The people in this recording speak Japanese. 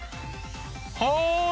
はい。